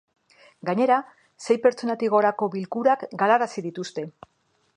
Gainera, sei pertsonatik gorako bilkurak galarazi dituzte.